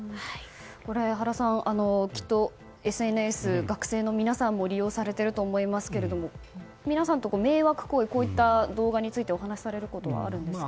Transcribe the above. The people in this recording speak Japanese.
原さん、きっとＳＮＳは学生の皆さんも利用されていると思いますが皆さんと迷惑行為、動画について話されることはありますか？